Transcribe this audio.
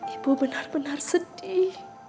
ibu benar benar sedih